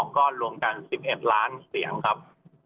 ก็รวมกัน๑๑ล้านเสียงครับ